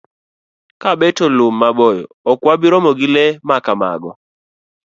Ka beto lum maboyo, ok wabi romo gi le ma kamago.